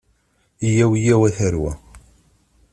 Yyaw yyaw a tarwa.